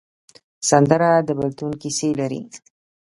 سندره د بېلتون کیسې لري